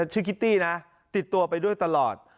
คิตตี้นะติดตัวไปด้วยตลอด